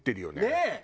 ねえ！